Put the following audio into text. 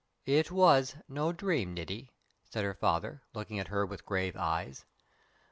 "It was no dream, Niti," said her father, looking at her with grave eyes.